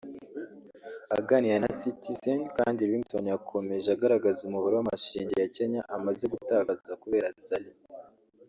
aganira na Citizen kandi Ringtone yakomeje agaragaza umubare w’amashilingi ya Kenya amaze gutakaza kubera Zari